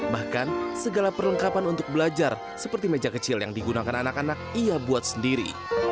bahkan segala perlengkapan untuk belajar seperti meja kecil yang digunakan anak anak ia buat sendiri